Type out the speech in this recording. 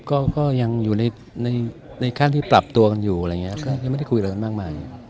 ก็ยังอยู่ในขั้นที่ปรับตัวกันอยู่อะไรอย่างนี้ก็ยังไม่ได้คุยอะไรกันมากมาย